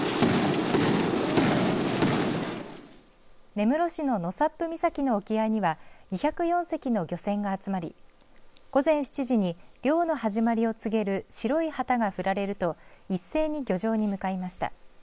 根室市の納沙布岬の沖合には２０４隻の漁船が集まり午前７時に漁の始まりを告げる白い旗が振られると一斉に漁場に向かいました。